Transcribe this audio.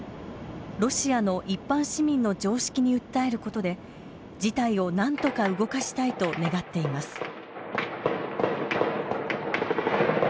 ロシアの一般市民の常識に訴えることで事態をなんとか動かしたいと願っています。